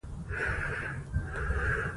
کابل د افغانانو د اړتیاوو د پوره کولو وسیله ده.